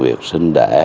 việc sinh đẻ